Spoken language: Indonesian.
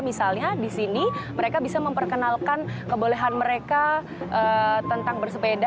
misalnya di sini mereka bisa memperkenalkan kebolehan mereka tentang bersepeda